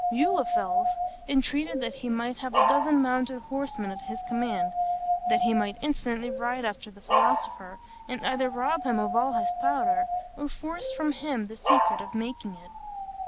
Muhlenfels entreated that he might have a dozen mounted horsemen at his command, that he might instantly ride after the philosopher, and either rob him of all his powder, or force from him the secret of making it.